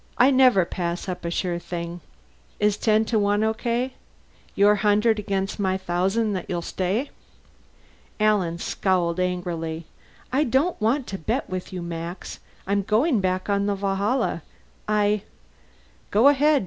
"I never pass up a sure thing. Is ten to one okay your hundred against my thousand that you'll stay?" Alan scowled angrily. "I don't want to bet with you, Max. I'm going back on the Valhalla. I " "Go ahead.